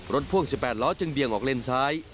พ่วง๑๘ล้อจึงเบี่ยงออกเลนซ้าย